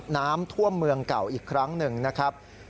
น้ำท่วมเมืองเก่าอีกครั้งหนึ่งนะครับ